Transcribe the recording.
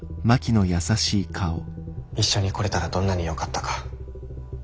一緒に来れたらどんなによかったか。